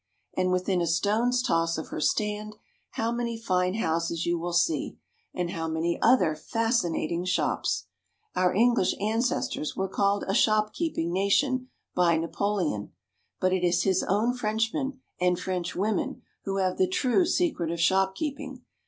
And within a stone's toss of her stand how many fine houses you will see, and how many other fascinating shops! Our English ancestors were called a shopkeeping nation by Napoleon; but it is his own Frenchmen and Frenchwomen who have the true secret of shopkeeping.